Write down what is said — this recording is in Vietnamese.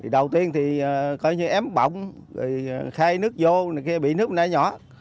đầu tiên thì coi như ém bọng khai nước vô bị nước này nhỏ